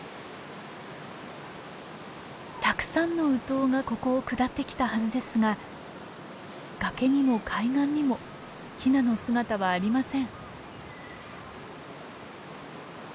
たくさんのウトウがここを下ってきたはずですが崖にも海岸にもヒナの姿はありません。